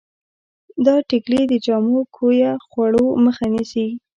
دا ټېکلې د جامو کویه خوړو مخه نیسي.